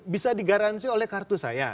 bisa digaransi oleh kartu saya